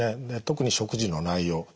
で特に食事の内容。